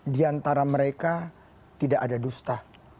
diantara mereka tidak ada dusta